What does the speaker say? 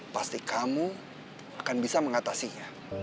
pasti kamu akan bisa mengatasinya